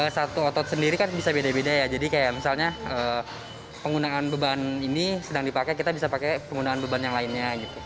satu otot sendiri kan bisa beda beda ya jadi kayak misalnya penggunaan beban ini sedang dipakai kita bisa pakai penggunaan beban yang lainnya gitu